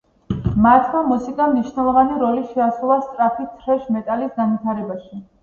მათმა მუსიკამ მნიშვნელოვანი როლი შეასრულა სწრაფი, თრეშ მეტალის განვითარებაში.